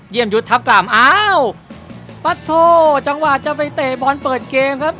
ยุทธทัพกล่ามอ้าวปัดโทจังหวะจะไปเตะบอลเปิดเกมครับ